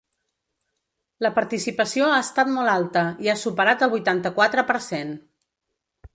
La participació ha estat molt alta i ha superat el vuitanta-quatre per cent.